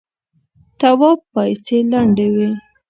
تواب پايڅې لندې وې.